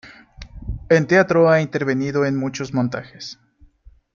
En teatro ha intervenido en muchos montajes.